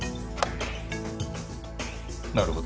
なるほど。